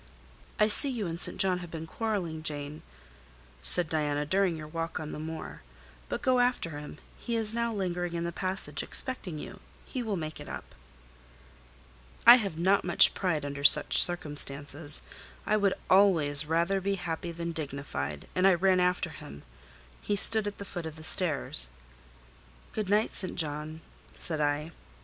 "I see you and St. John have been quarrelling, Jane," said Diana, "during your walk on the moor. But go after him; he is now lingering in the passage expecting you—he will make it up." I have not much pride under such circumstances: I would always rather be happy than dignified; and I ran after him—he stood at the foot of the stairs. "Good night, St. John," said I.